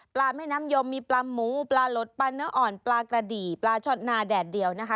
แม่น้ำยมมีปลาหมูปลารดปลาเนื้ออ่อนปลากระดี่ปลาช็อตนาแดดเดียวนะคะ